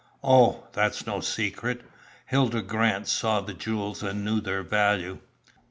"Oh, that's no secret. Hilda Grant saw the jewels, and knew their value."